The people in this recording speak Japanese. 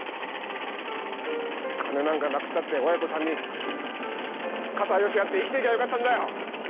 金なんか無くたって親子３人肩寄せ合って生きていきゃよかったんだよ！